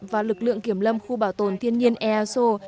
và lực lượng kiểm lâm khu bảo tồn thiên nhiên easo